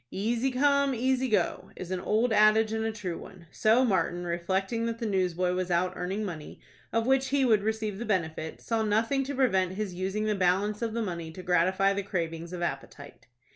"Easy come, easy go," is an old adage and a true one. So Martin, reflecting that the newsboy was out earning money, of which he would receive the benefit, saw nothing to prevent his using the balance of the money to gratify the cravings of appetite.